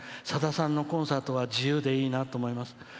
さださんのコンサートは自由でいいなと思います。